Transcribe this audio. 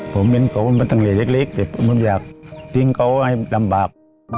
ผมเห็นเขาเป็นทั้งเลขแต่ผมอยากทิ้งเขาให้ลำบาก